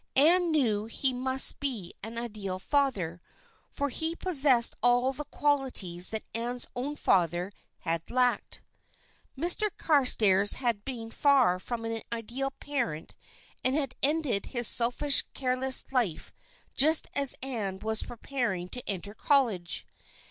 Ann knew he must be an ideal father, for he possessed all the qualities that Ann's own father had lacked. Mr. Carstairs had been far from an ideal parent and had ended his selfish, careless life just as Ann was preparing to enter college.